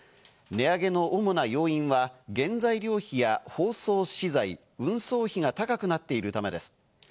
値上げの主な要因は原材料費や包装資材、運送費が高くなっているためです。